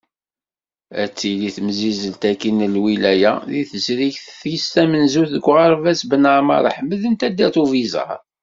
Ad tili temsizzelt-agi n lwilaya, deg tezrigt-is tamenzut, deg uɣerbaz Ben Ɛmer Ḥmed n taddart n Ubizar.